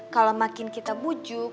kalau makin kita bujuk